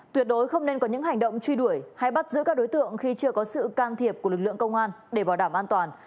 tuyệt đối không nên có những hành động truy đuổi hay bắt giữ các đối tượng khi chưa có sự can thiệp của lực lượng công an để bảo đảm an toàn